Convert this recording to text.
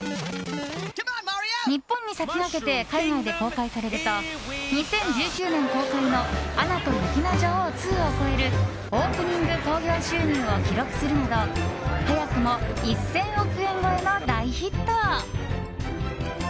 日本に先駆けて海外で公開されると２０１９年公開の「アナと雪の女王２」を超えるオープニング興行収入を記録するなど早くも１０００億円超えの大ヒット。